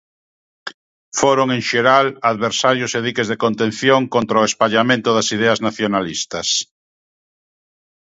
Foron, en xeral, adversarios e diques de contención contra o espallamento das ideas nacionalistas.